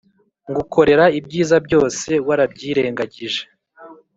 ngukorera ibyiza byose warabyirengagije